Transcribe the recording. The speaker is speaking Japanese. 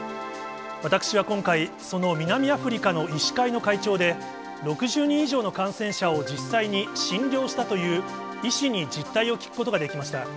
私は今回、その南アフリカの医師会の会長で、６０人以上の感染者を実際に診療したという医師に実態を聞くことができました。